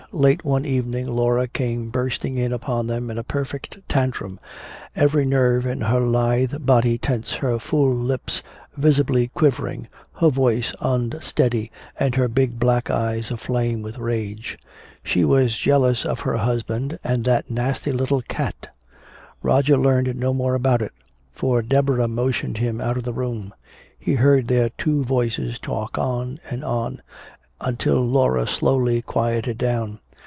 Late one evening Laura came bursting in upon them in a perfect tantrum, every nerve in her lithe body tense, her full lips visibly quivering, her voice unsteady, and her big black eyes aflame with rage. She was jealous of her husband and "that nasty little cat!" Roger learned no more about it, for Deborah motioned him out of the room. He heard their two voices talk on and on, until Laura's slowly quieted down.